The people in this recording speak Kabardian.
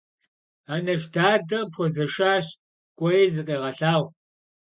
Анэш дадэ къыпхуэзэшащ, кӏуэи зыкъегъэлъагъу.